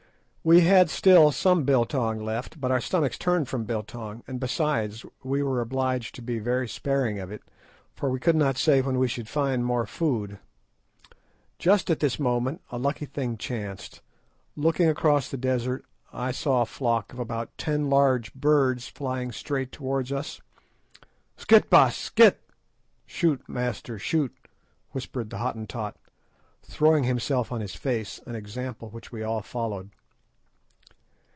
We had still some biltong left, but our stomachs turned from biltong, and besides, we were obliged to be very sparing of it, for we could not say when we should find more food. Just at this moment a lucky thing chanced. Looking across the desert I saw a flock of about ten large birds flying straight towards us. "Skit, Baas, skit!" "Shoot, master, shoot!" whispered the Hottentot, throwing himself on his face, an example which we all followed.